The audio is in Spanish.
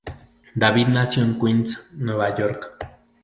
David nació en Queens, Nueva York.